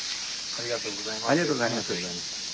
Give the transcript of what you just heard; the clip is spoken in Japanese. ありがとうございます。